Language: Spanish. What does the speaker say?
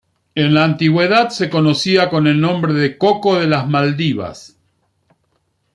En la antigüedad se conocía con el nombre de coco de las Maldivas.